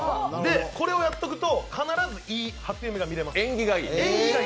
これをやっとくと必ずいい初夢が見れます。